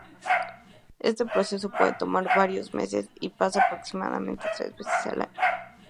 Este proceso puede tomar varios meses y pasa aproximadamente tres veces al año.